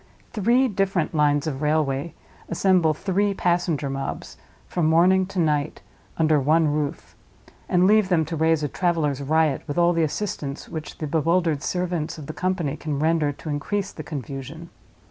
Three different lines of railway assemble three passenger mobs, from morning to night, under one roof; and leave them to raise a traveler's riot, with all the assistance which the bewildered servants of the company can render to increase the confusion.